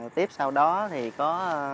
tiếp sau đó thì có